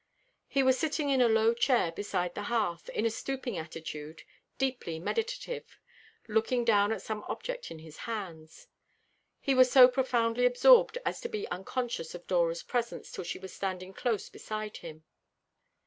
He was sitting in a low chair beside the hearth, in a stooping attitude, deeply meditative, looking down at some object in his hands. He was so profoundly absorbed as to be unconscious of Dora's presence till she was standing close beside him.